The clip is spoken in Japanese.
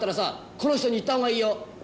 この人に言ったほうがいいよ。